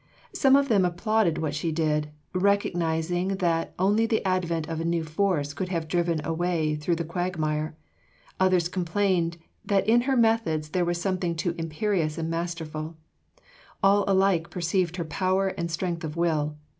Some of them applauded what she did, recognizing that only the advent of a new force could have driven a way through the quagmire; others complained that in her methods there was something too imperious and masterful; all alike perceived her power and strength of will.